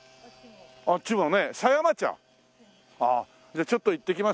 じゃあちょっと行ってきます。